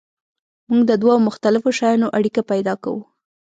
موږ د دوو مختلفو شیانو اړیکه پیدا کوو.